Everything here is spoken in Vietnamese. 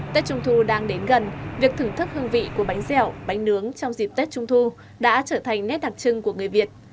tết trung thu đang đến gần việc thưởng thức hương vị của bánh dẻo bánh nướng trong dịp tết trung thu đã trở thành nét đặc trưng của người việt